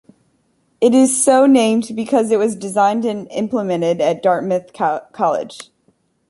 It is so named because it was designed and implemented at Dartmouth College.